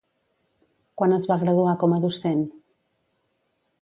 Quan es va graduar com a docent?